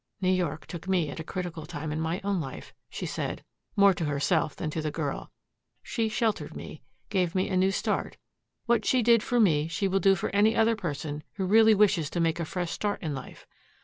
"New York took me at a critical time in my own life," she said more to herself than to the girl. "She sheltered me, gave me a new start. What she did for me she will do for any other person who really wishes to make a fresh start in life.